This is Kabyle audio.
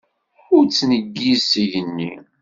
Ur ttneggiz s igenni.